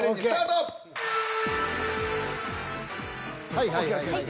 はいはいはいはい。